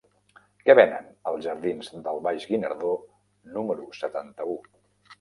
Què venen als jardins del Baix Guinardó número setanta-u?